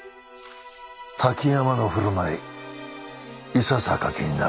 滝山の振る舞いいささか気になる。